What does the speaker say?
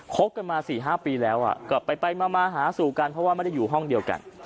เข้ากันมา๔๕ปีแล้วก็ไปมาม้าฮาสู่กันด้วยห้องพักกัน